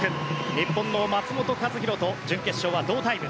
日本の松元克央と準決勝は同タイム。